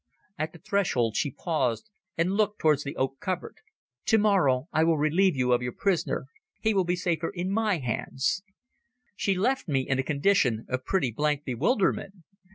At the threshold she paused, and looked towards the oak cupboard. "Tomorrow I will relieve you of your prisoner. He will be safer in my hands." She left me in a condition of pretty blank bewilderment.